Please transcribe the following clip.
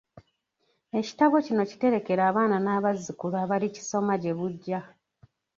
Ekitabo kino kiterekere abaana n’abazzukulu abalikisoma gye bujja.